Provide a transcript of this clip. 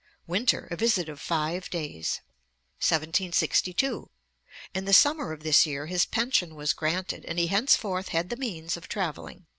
Winter, a visit of five days. Ante, i. 370. 1762. In the summer of this year his pension was granted, and he henceforth had the means of travelling.